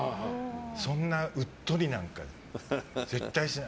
そんな、うっとりなんか絶対しない。